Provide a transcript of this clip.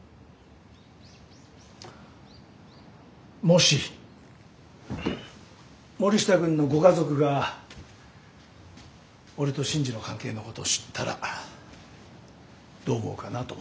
もし森下くんのご家族が俺と信爾の関係のことを知ったらどう思うかなと思って。